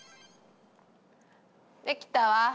できたわ。